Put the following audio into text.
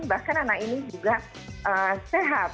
bahkan anak ini juga sehat